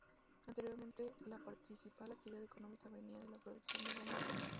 Anteriormente, la principal actividad económica venía de la producción de goma y caucho.